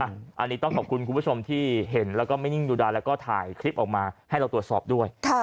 อันนี้ต้องขอบคุณคุณผู้ชมที่เห็นแล้วก็ไม่นิ่งดูดายแล้วก็ถ่ายคลิปออกมาให้เราตรวจสอบด้วย